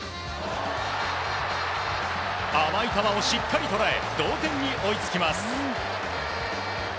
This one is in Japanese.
甘い球をしっかり捉え同点に追いつきます。